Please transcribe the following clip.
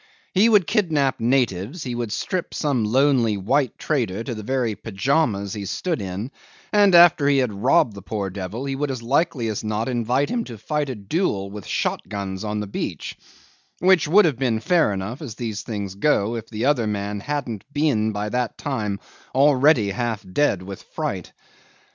He would kidnap natives, he would strip some lonely white trader to the very pyjamas he stood in, and after he had robbed the poor devil, he would as likely as not invite him to fight a duel with shot guns on the beach which would have been fair enough as these things go, if the other man hadn't been by that time already half dead with fright.